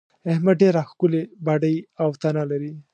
احمد ډېره ښکلې باډۍ او تنه لري.